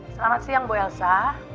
selamat siang bu elsa